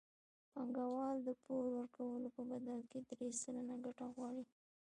بانکوال د پور ورکولو په بدل کې درې سلنه ګټه غواړي